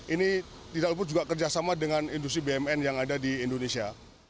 ini tidak luput juga kerjasama dengan industri bumn yang ada di indonesia